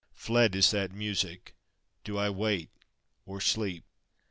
"Fled is that music. Do I wake or sleep?"